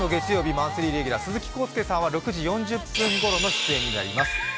マンスリーレギュラー鈴木浩介さんは６時４０分ごろの出演になります。